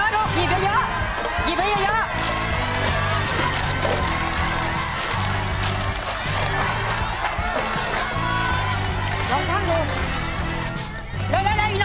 ไอโร่่งหยิบหยิบแต่ควอดหนูหยิบควอดมาเยอะ